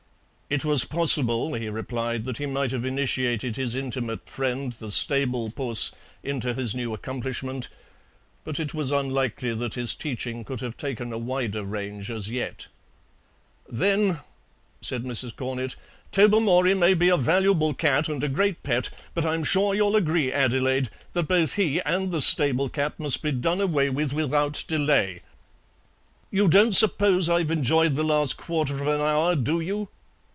It was possible, he replied, that he might have initiated his intimate friend the stable puss into his new accomplishment, but it was unlikely that his teaching could have taken a wider range as yet. "Then," said Mrs. Cornett, "Tobermory may be a valuable cat and a great pet; but I'm sure you'll agree, Adelaide, that both he and the stable cat must be done away with without delay." "You don't suppose I've enjoyed the last quarter of an hour, do you?"